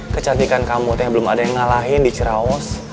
kecantikan kamu tuh belum ada yang ngalahin di ciraos